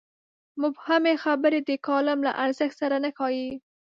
مبهمې خبرې د کالم له ارزښت سره نه ښايي.